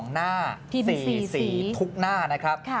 หน้า๔สีทุกหน้านะครับ